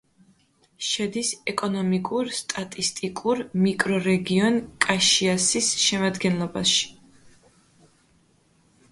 შედის ეკონომიკურ-სტატისტიკურ მიკრორეგიონ კაშიასის შემადგენლობაში.